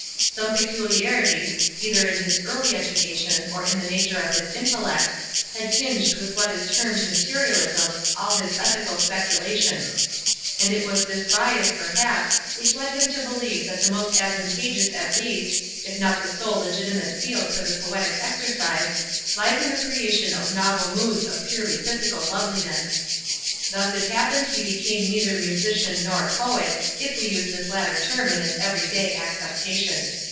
Some peculiarities, either in his early education, or in the nature of his intellect, had tinged with what is termed materialism all his ethical speculations; and it was this bias, perhaps, which led him to believe that the most advantageous at least, if not the sole legitimate field for the poetic exercise, lies in the creation of novel moods of purely physical loveliness. Thus it happened he became neither musician nor poet—if we use this latter term in its every day acceptation.